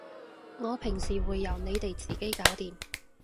我平時會由你哋自己搞掂